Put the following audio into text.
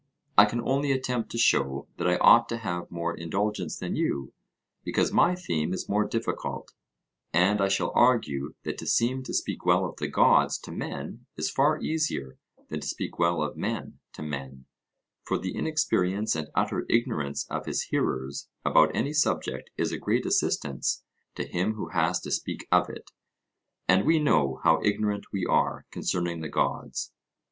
I can only attempt to show that I ought to have more indulgence than you, because my theme is more difficult; and I shall argue that to seem to speak well of the gods to men is far easier than to speak well of men to men: for the inexperience and utter ignorance of his hearers about any subject is a great assistance to him who has to speak of it, and we know how ignorant we are concerning the gods.